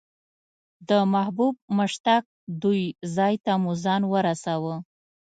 د محبوب مشتاق دوی ځای ته مو ځان ورساوه.